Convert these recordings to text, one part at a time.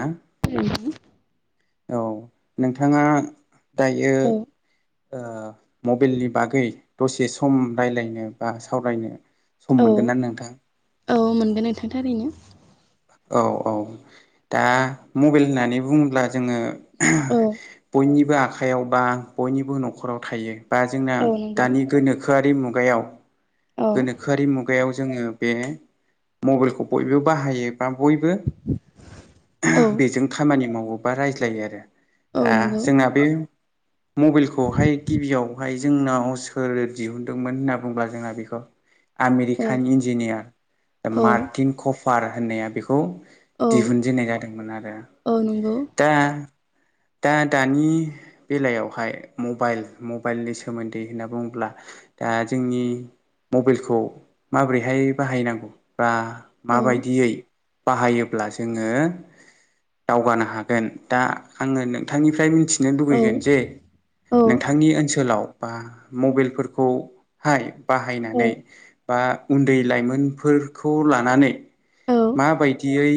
हो [unintelligible] औ नोंथाङा दायो ओ मबाइलनि बागै दसे सम रायज्लायनो बा सावरायनो सम औ मोनगोन ना नोंथां औ मोनगोन नोंथां थारैनो औ औ दा मबाइल होननानै बुङोब्ला जोङो औ बयनिबो आखाइयाव बा बयनिबो न'खराव थायो। बा जोंना औ नंगौ दानि गोनोखोआरि मुगायाव औ गोनोखोआरि मुगायाव जोङो बे मबाइलखौ बयबो बाहायो बा बयबो औ बेजों खामानि मावोबा रायज्लायो आरो औ दा नंगौ जोंना बे मबाइलखौहाय गिबियावहाय जोंनाव सोर दिहुनदोंमोन होनना बुंब्ला जोंहा बेखौ औ आमेरिकान इन्जिनियार दा औ मार्टिन कफार होननाया बेखौ औ दिहुनजेननाय जादोंमोन आरो औ नंगौ दा दा दानि बेलायावहाय मबाइल मबाइलनि सोमोन्दै होनना बुङोब्ला दा जोंनि मबाइलखौ माबोरैहाय बाहायनांगौ बा मा औ बायदियै बाहायोब्ला जोङो दावगानो हागोन दा आङो नोंथांनिफ्राय मिथि नो औ लुगैगोन जे औ नोंथांनि ओनसोलाव बा मबेलफोरखौहाय औ बाहायनानै बा उन्दै लाइमोनफोरखौ लानानै माबायदियै।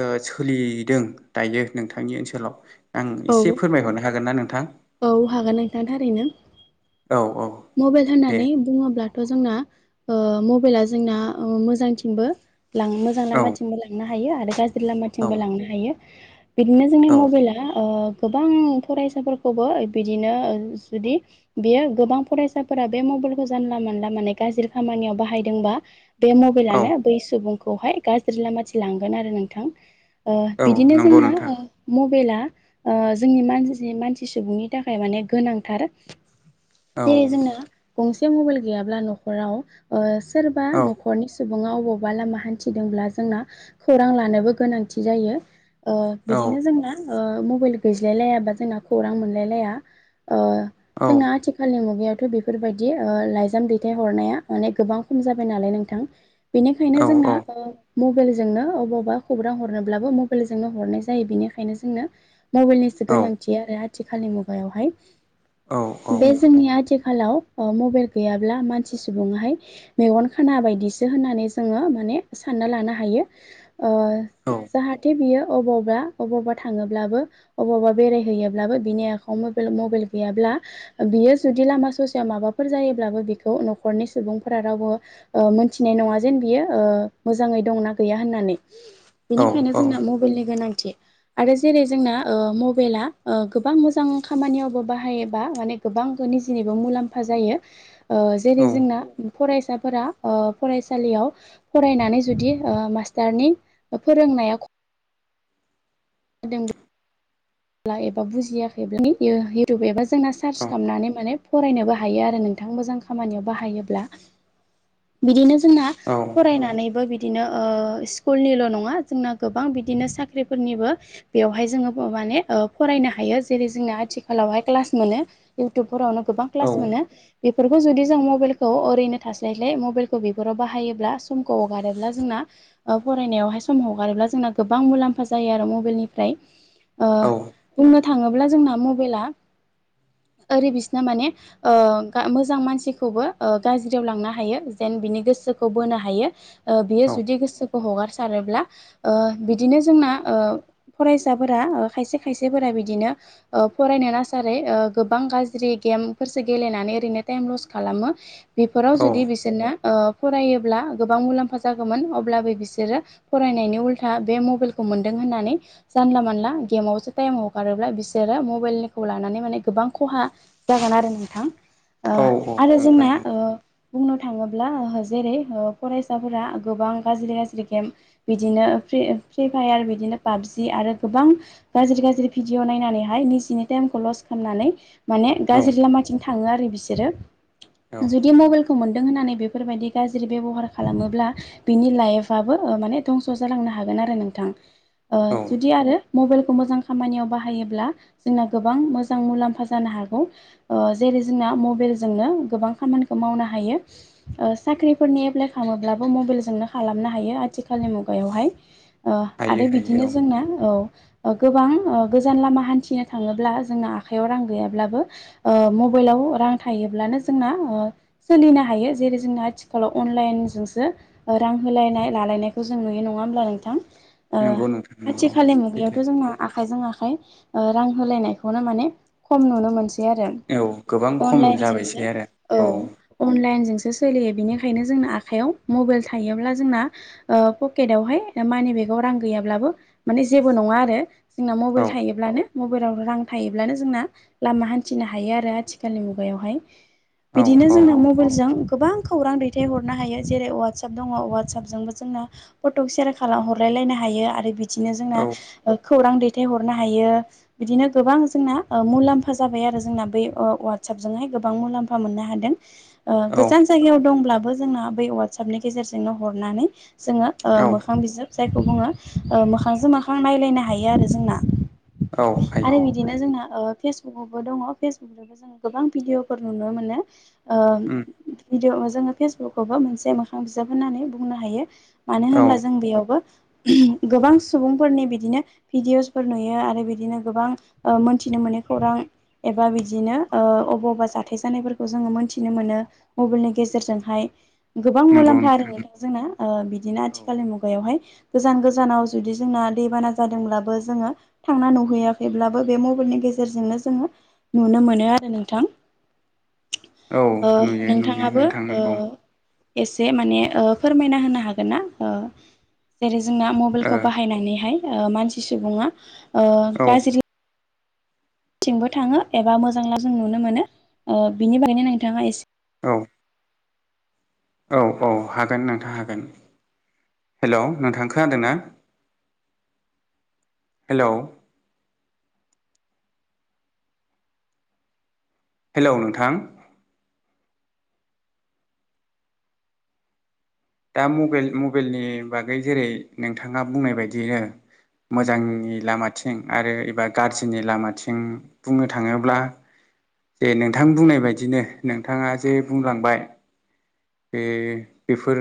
ओ सोलिदों दायो नोंथांनि ओनसोलाव आं औ एसे फोरमायहरनो हागोन ना नोंथां। औ हागोन नोंथां थारैनो औ औ मबेल दे होननानै बुङोब्ला। दाथ' जोंना ओ मबाइला जोंना ओ मोजांथिंबो। लां मोजां औ लामाथिंबो लांनो हायो आरो गाज्रि औ लामाथिंबो लांनो हायो। बिदिनो जोंनि औ मबाइला ओ गोबां फरायसाफोर बिदिनो जुदि बेयो गोबां फरायसाफोरा बे मबाइलखौ जानला मानला माने। गाज्रि खामानियाव बाहायदोंबा बे औ मबाइलानो बै सुबुंखौहाय गाज्रि लामाथिं लांगोन आरो नोंथां। ओ औ बिदिनो नंगौ जोंना नोंथां मबाइला ओ जोंनि मानसि मानसि। सुबुंनि थाखाय माने गोनांथार औ जेरै जोंना गं से मबाइल गैयाब्ला न'खराव सोरबा औ न'खरनि सुबुं अबावबा लामा हान्थिदोंब्ला जोंना खौरां लानोबो गोनांथि जायो। ओ औ बिदिनो जोंना मबाइल गैज्लायलायााबा जोंना खौरां मोनलायलाया। ओ औ जोंना आथिखालनि मुगा। बेयावथ' बेफोरबायदि ओ लाइजाम दैथाय हरनाया माने गोबां खम जाबाय नालाय नोंथां। बेनिखायनो औ जोंना ओ मबाइलजोंनो अबावबा खौरां हरनोब्लाबो मबाइलजोंनो हरनाय जायो बेनिखायनो जोंनो। मबाइलनिसो औ गोनांथि आरो आथिखालनि मुगायावहाय औ बे जोंनि आथिखाल आथिखालाव मबाइल गैयाब्ला मानसि सुबुङाहाय मेगन खाना बायदिसो होननानै जोङो। सानना लानो हायो। ओ औ जाहाथे बियो अबावबा अबावबा थाङोब्लाबो अबावबा बेराय होयोब्लाबो बिनि आखाइ मबाइल गैयाब्ला बियो जुदि लामा ससेयाव माबाफोर जायोबो। बिखौ न'खरनि सुबुंफोरा रावबो मोनथिनाय नङा जेन बियो मोजाङै दंना गैया होननानै। बेनिखायनो जोंना मबाइलनि गोनांथि आरो जेरै जोंना मबाइला। गोबां मोजां खामानियावबो बाहायोबा माने गोबां निजेनिबो मुलाम्फा जायो। ओ जेरै औ जोंना फरायसाफोरा फरायसालियाव फरायनानै जुदि मास्टारनि फोरोङो। नाय ख जादों ब्ला एबा बुजियाखैब्ला इउटुब एबा जोंना सार्च खालामनानै माने फरायनोबो हायो आरो नों थां मोजां खामानियाव बाहायोब्ला बिदिनो जोंना औ फनानैबो बि दिनो स्कुलनिल' नङा जोंना गोबां बिदिनो साख्रिफोरनिबो बेवहाय जोङो माने फरायनो हायो जेरै जोंना आथिखालावहाय क्लास मोनो। इयउटुब फोरावनो गोबां कस मोनो बेफोरखौ जुदि जों मोनो ओरैनो थास्लाय्लाय मबाइलखौ बेफोराव बाहायोब्ला समखौ हगारोब्ला जोंना फरायनायावहाय सम हगारोब्ला। जोंना गोबां मुलाम्फा जायो मबाइलनिफ्राय। ओ बुंनो थाङोब्ला जोंना मबाइला। ओरै बिसना माने मोजां मानसिखौबो गाज्रियाव लांनो हायो जेन बिनि गोसोखौ बोनो हायो बियो औ जुदि गोसोखौ हगारारोब्ला बिदिनो जों ना फरायसाफोरा खायसे खाय खायसेफोरा बिदिनो फरायनो नासारै गोबां गाज्रि गेमसो गेलेनानै ओरैनो टाइम लस खालामो बेफोराव औ जुदि बिसोरनो ओ फरायोब्ला गोबां मुलाम्फा जागौमोन अब्लाबो बिसोरो फरायनायनि उल्था बे मबाइलखौ मोनदों। होननानै जानला मानला गेमावसो टाइमाव हगारोब्ला बिसोरो मबाइलनिखौ लानानै माने गोबां खहा जागोन आरो नोंथां औ औ आरो नोंथां जोंना ओ बुंनो थाङोब्ला जेरै फरायसाफोरा गोबां गाज्रि गाज्रि गेम बिदिनो फ्रि फ्रि फायार बिदिनो पाबजि आरो गोबां गाज्रि गाज्रि भिडिअ नायनानैहाय निजिनि टाइमखौ लस खालामनानै माने औ गाज्रि लामाथिं थाङो आरो बिसोरो औ जुदि मबाइलखौ मोन दों होननानै बेफोरबायदि गाज्रि बेब'हार खालामोब्ला बिनि लाइफबो माने धंस' जालांनो हागोन नारो नोंथां औ जुदि आरो मबाइल खौ खानियाव बाहायोब्ला जोंना गोबां मोजां मुलामफा जानो हागौ जेरै जोंना ना मबाइल जोंनो गोबां खामानि मावनो हायो साख्रिफोरनि एपइ खालामोबबो मबाइल जों नो खालामनो हायो आथिखालनि मुगायावहाय हायो आरो हायो बिदिनो औ जोंना औ गोबां गोजान लामा हान्थिनो थाङोब्ला जोंना आखाइयाव रां गैयाब्लाबो मबाइलाव रां थायोब्लानो जोंना सोलिनो हायो जेरै जोंना आथिखालाव अनलाइनजोंसो रां होलायनाय लालायनायखौ जों नुयो नङा होमब्ला नोंथां नंगौ नोंथां नंगौ आथिखालनि मुगायाव सैथो आखाइजों आखाय रां होलायनायखौनो माने खम नुनो मोनसै आरो औ गोबां खम अनलाइन जोंसो जाबायसै आरो औ सोलियो बिनिखायनो जोंनो आखाइयाव मबाइल थायोब्ला जोंना पकेटावहाय मानि बेगाव रां गैया ब्लाबो माने जेबो नङा आरो जोंनाव मबाइल औ थायोबानो मबाइलाव रां थायोब्लानो जोंना लामा हान्थिनो हायो आरो आथिखालनि मुगायावहाय औ बिदिनो औ जोंना मबाइलजों गोबां खौरां दैथायहरनो हायो जेरै अवाटसप दङ अवाटसपजोंबो जोंना फट'शयार खालाम हरलाय लायनो हायो आरो बिदिनो औ जोंना खौरां दैथाय हरनो हायो बिदिनो गोबां जोंना मुलाम्फा जाबाय आरो जोंना बै अवाड साबजोंहाय गोबां मुलाम्फा मोननो हादों गोजान जायगायाव दंब्लाबो जोंना बै अवाटसपनि गेजेरजोंनो हरनानै जोङो औ मोखां बिजों जायखौ बुङो मोखांजों मोखां नायलायनो हायो आरो जोंना औ हायो आरो बिदिनो जोंना फेसबुकआवबो दङ फेसबुकजोंबो जोङो गोबां भिडिअफोर नुनो मोनो उम भिदिअ जोङो फेसबुकआवबो मोनसे मोखां बिजाब होननानै बुंनो हायो मानो औ होनब्ला जों बेयावबो गोबां सुबुंफोरनि बिदिनो भिडिअसफोर नुयो आरो बिदिनो गोबां मोनथिनो मोनै खौरां एबा बिदिनो ओ बबावबा जथाय जानायफोरखौ जोङो मोनथिनो मोनो मबाइलनि गेजेरजोंहाय गोबां मुलाम्फा आरो नोंथां जोंना बिदिनो आथिखालनि मुगायावहाय गोजान गोजानाव जुदि जोंना दैबाना जादोंब्लाबो जोङो थांना नुहैयाखैब्लाबो बे मबाइलनि गेजेरजोंनो जोङो नुनो मोनो आरो नोंथां [inaudible] औ औ नुयो नुयो नोंथाङाबो नोंथां नंगौ एसे माने फोरमायना होनो हागोनना जेरै जोंना ओ मबाइलखौ बाहायनानैहाय मानसि सुबुङा ओ औ गाज्रि थिंबो थाङो एबा मोजांब्ला जों नुनो मोनो बिनि बागायनो नोंथाङा एसे औ औ औ हागोन नोंथाङ हागोन हेल नोंथां खोादों ना हेलौ हेलौ नोंथां दा मबाइ मबाइलनि बागै जेरै नोंथाङा बुंनाय बायदिनो मोजांनि लामाथिं आरो एबा गाज्रिनि लामाथिं बुंनो थाङोब्ला जे नोंथां बुंनाय बायदिनो नोंथाङा जे बुंलांबाय बे बेफोर